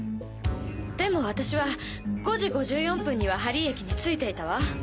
でも私は５時５４分には針井駅に着いていたわ！